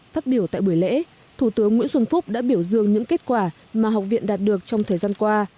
phát biểu tại buổi lễ thủ tướng nguyễn xuân phúc đã biểu dương những kết quả mà học viện đạt được trong thời gian qua